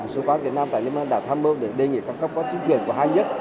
số quán việt nam tại liên bang nga đã tham mưu để đề nghị các cấp quan chức truyền của hai nhất